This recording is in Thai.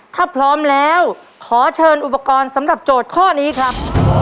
ถ้าพร้อมแล้วขอเชิญอุปกรณ์สำหรับโจทย์ข้อนี้ครับ